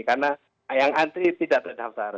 karena yang antri tidak terdaftar